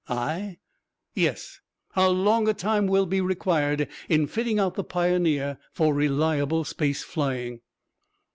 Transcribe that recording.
"I?" "Yes. How long a time will be required in fitting out the Pioneer for reliable space flying?"